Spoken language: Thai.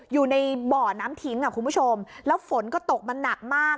อยู่ในบ่อน้ำทิ้งอ่ะคุณผู้ชมแล้วฝนก็ตกมันหนักมาก